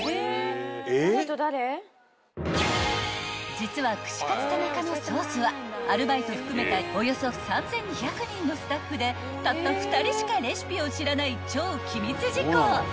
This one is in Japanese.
［実は串カツ田中のソースはアルバイト含めたおよそ３，２００人のスタッフでたった２人しかレシピを知らない超機密事項］